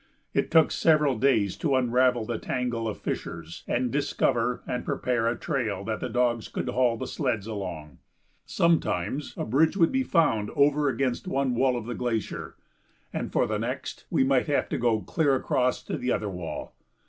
It took several days to unravel the tangle of fissures and discover and prepare a trail that the dogs could haul the sleds along. Sometimes a bridge would be found over against one wall of the glacier, and for the next we might have to go clear across to the other wall.